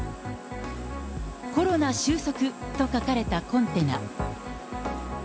コロナ終息と書かれたコンテナ。